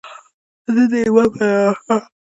زه د ايمان پر ملاتړ د لېوالتیا پر قدرت باور لرم.